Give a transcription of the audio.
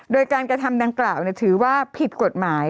โดยการกระทำดังกล่าวถือว่าผิดกฎหมาย